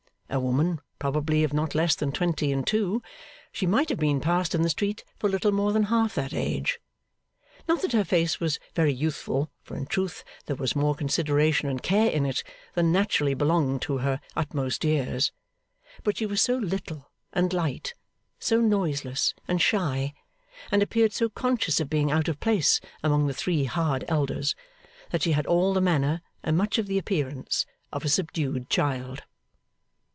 A woman, probably of not less than two and twenty, she might have been passed in the street for little more than half that age. Not that her face was very youthful, for in truth there was more consideration and care in it than naturally belonged to her utmost years; but she was so little and light, so noiseless and shy, and appeared so conscious of being out of place among the three hard elders, that she had all the manner and much of the appearance of a subdued child.